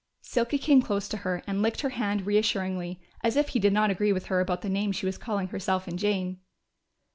Silky came close to her and licked her hand reassuringly, as if he did not agree with her about the name she was calling herself and Jane.